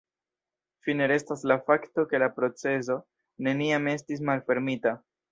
Fine restas la fakto ke la procezo neniam estis malfermita.